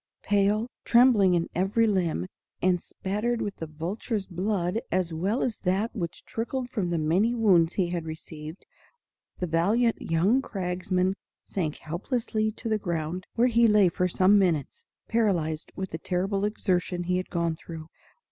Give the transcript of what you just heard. Pale, trembling in every limb, and spattered with the vulture's blood as well as that which trickled from the many wounds he had received, the valiant young cragsman sank helplessly to the ground, where he lay for some minutes, paralyzed with the terrible exertion he had gone through.